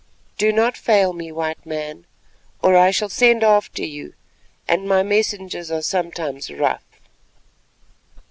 Do not fail me, White Man, or I shall send after you, and my messengers are sometimes rough."